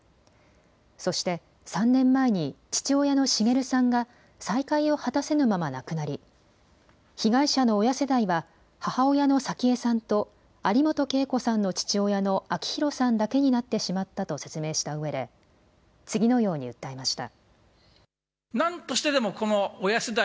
そして３年前に父親の滋さんが再会を果たせぬまま亡くなり被害者の親世代は母親の早紀江さんと有本恵子さんの父親の明弘さんだけになってしまったと説明したうえで次のように訴えました。